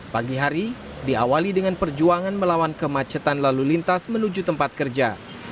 pagi hari diawali dengan perjuangan melawan kemacetan lalu lintas menuju tempat kerja